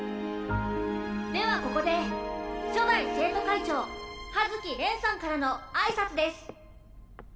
ではここで初代生徒会長葉月恋さんからの挨拶です。